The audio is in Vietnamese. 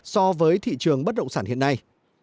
so với thị trường bất động sản hiện nay